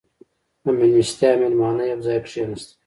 • د میلمستیا مېلمانه یو ځای کښېناستل.